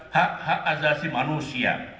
hak hak azasi manusia